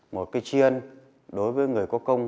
một cái chiên đối với người có công